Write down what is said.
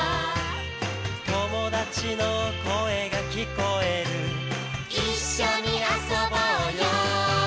「友達の声が聞こえる」「一緒に遊ぼうよ」